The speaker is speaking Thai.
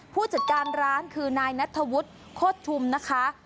ผู้จัดการร้านคือนายนัทธวุฒิโคตรทุมนะคะ